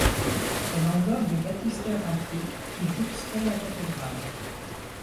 Elle englobe le baptistère antique qui jouxtait la cathédrale.